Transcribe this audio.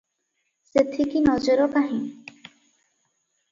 ସେଥିକି ନଜର ନାହିଁ ।